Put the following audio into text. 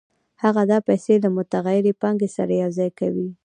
هغه دا پیسې له متغیرې پانګې سره یوځای کوي